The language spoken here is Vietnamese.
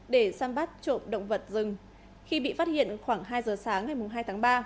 để săn bắt trộm động vật rừng khi bị phát hiện khoảng hai giờ sáng ngày hai tháng ba